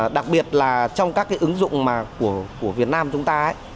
đặc biệt là trong các cái ứng dụng của việt nam chúng ta ấy